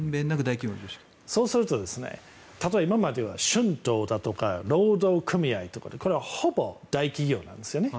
そうすると、例えば今までは春闘だとか労働組合とかこれはほぼ大企業なんですよね。